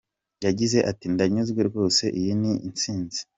Yagize ati “Ndanyuzwe rwose, iyi ni intsinzi.